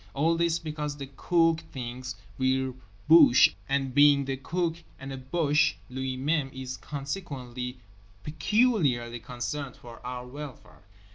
All this because the Cook thinks we're boches and being the Cook and a boche lui même is consequently peculiarly concerned for our welfare.